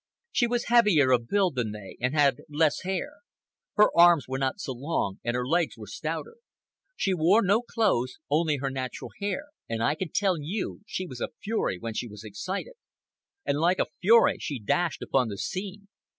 She was heavier of build than they, and had less hair. Her arms were not so long, and her legs were stouter. She wore no clothes—only her natural hair. And I can tell you she was a fury when she was excited. And like a fury she dashed upon the scene.